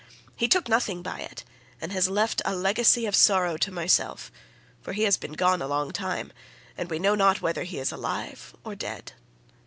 He took nothing by it, and has left a legacy of sorrow to myself, for he has been gone a long time, and we know not whether he is alive or dead.